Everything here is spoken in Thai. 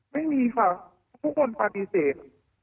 ไม่มีค่ะทุกคนปฏิเสธ